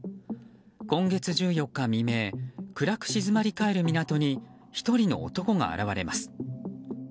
今月１４日未明暗く静まり返る港に１人の男が現れます。